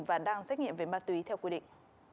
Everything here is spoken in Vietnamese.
và đang xét nghiệm về ma túy theo quy định